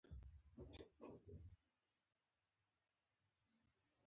باران حاصل راولي.